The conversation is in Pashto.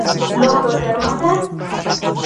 لوبه ګرمه ده